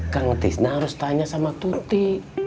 kang tisna harus tanya sama tuti